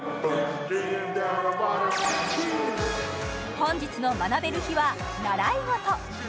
本日の学べる日は習い事